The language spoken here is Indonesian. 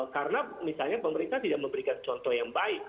karena misalnya pemerintah tidak memberikan contoh yang baik